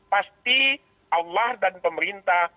pasti allah dan pemerintah